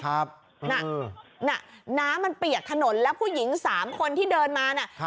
น่ะน้ำมันเปียกถนนแล้วผู้หญิง๓คนที่เดินมาน่ะ